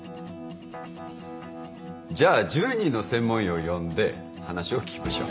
じゃあ１０人の専門医を呼んで話を聞きましょう。